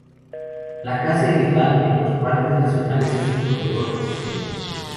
La caza ilegal en los parques nacionales es un problema persistente.